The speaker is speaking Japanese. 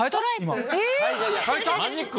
マジック⁉